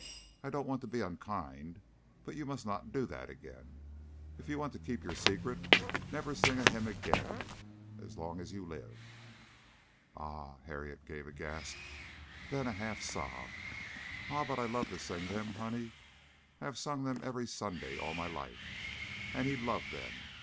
"I don't want to be unkind, but you must not do that again. If you want to keep your secret, never sing a hymn again as long as you live." "Ah!" Harriet gave a gasp, then a half sob. "Ah! But I love to sing them, honey. I have sung them every Sunday all my life, and he loved them.